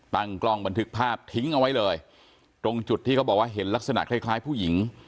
ตั้งกล้องบันทึกภาพทิ้งเอาไว้เลยตรงจุดที่เขาบอกว่าเห็นลักษณะคล้ายคล้ายผู้หญิง